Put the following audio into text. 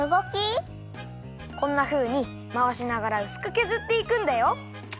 こんなふうにまわしながらうすくけずっていくんだよ。